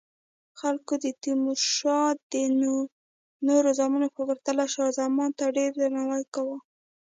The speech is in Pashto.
خلکو د تیمورشاه د نورو زامنو په پرتله شاه زمان ته ډیر درناوی کاوه.